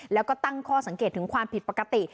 แล้วก็ตั้งข้อสังเกตถึงความผิดปกติ